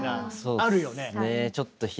あるよね？